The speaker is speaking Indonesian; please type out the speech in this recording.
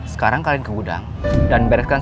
sekarang kalian ke gudang dan bereskan